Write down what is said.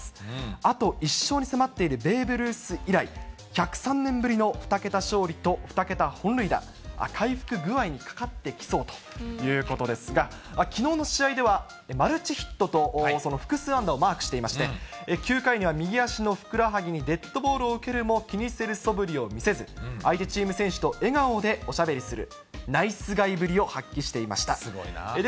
あと１勝に迫っている、ベーブ・ルース以来、１０３年ぶりの２桁勝利と２桁本塁打、回復具合にかかってきそうということですが、きのうの試合では、マルチヒットと、複数安打をマークしていまして、９回には右足のふくらはぎにデッドボールを受けるも、気にするそぶりを見せず、相手チーム選手と笑顔でおしゃべりする、ナイスガすごいな。